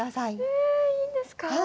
えいいんですか？